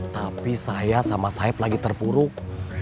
tapi saya sama saib lagi terpuruk